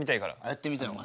やってみてお前。